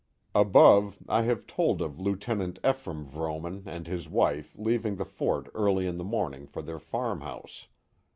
Above I have told of Lieutenant Ephraim Vrooman and his wife leaving the fort early in the morning for their farmhouse.